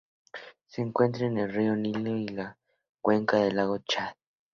Se encuentra en el río Nilo y en la cuenca del lago Chad.